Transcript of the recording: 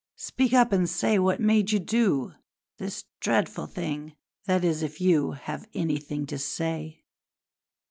Speak up and say what made you do This dreadful thing that is, if you Have anything to say!'